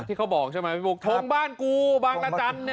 ที่เขาบอกใช่ไหมพี่บุ๊คทงบ้านกูบ้านประจำเนี่ยนะ